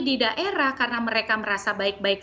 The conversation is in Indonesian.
di daerah karena mereka merasa baik baik